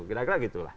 kira kira gitu lah